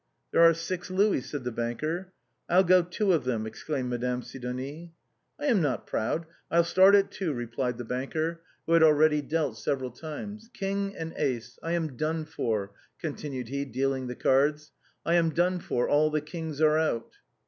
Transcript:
" There are six louis," said the banker. " I'll go two of them," exclaimed Madame Sidonie. " I am not proud, I'll start at two," replied the banker. musette's fancies. 363 who had already dealt several times ; "king, and ace. I am done for," continued he, dealing the cards ; "I am done for, all the kings are out."